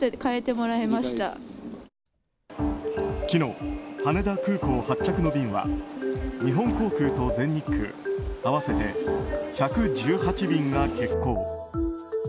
昨日、羽田空港発着の便は日本航空と全日空合わせて１１８便が欠航。